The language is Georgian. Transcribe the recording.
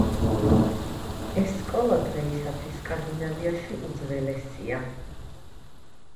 ეს სკოლა დღეისათვის სკანდინავიაში უძველესია.